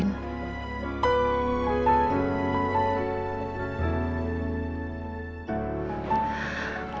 dan sekarang andin